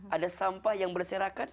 ada sampah yang berserakan